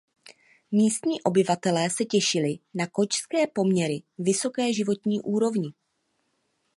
Místní obyvatelé se těšili na konžské poměry vysoké životní úrovni.